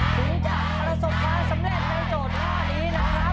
ถึงจะประสบความสำเร็จในโจทย์ข้อนี้นะครับ